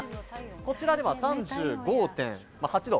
こちらでは３５．８度。